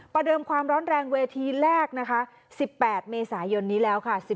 เดิมความร้อนแรงเวทีแรกนะคะ๑๘เมษายนนี้แล้วค่ะ